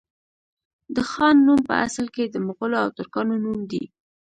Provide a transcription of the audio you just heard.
د خان نوم په اصل کي د مغولو او ترکانو نوم دی